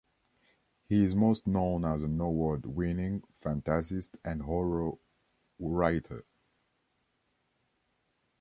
He is most known as an award winning fantasist and horror writer.